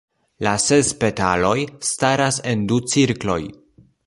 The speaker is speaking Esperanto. La ses petaloj staras en du cirkloj.